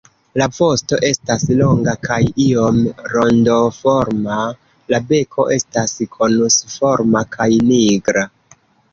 La vosto estas longa kaj iom rondoforma; la beko estas konusforma kaj nigra.